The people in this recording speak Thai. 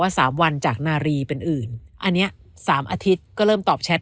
สามวันจากนารีเป็นอื่นอันเนี้ยสามอาทิตย์ก็เริ่มตอบแชท